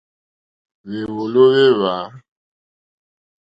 Hwèwòló hwé hwa.